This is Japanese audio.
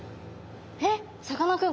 えっさかなクン